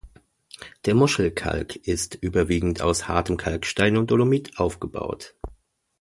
Der Muschelkalk ist überwiegend aus hartem Kalkstein und Dolomit aufgebaut.